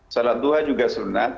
salat tuhak juga sunat